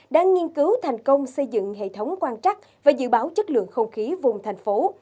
đã nghiên cứu thành công xây dựng hệ thống quan trắc và dự báo chất lượng không khí vùng thành phố